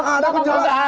kalau ada kenapa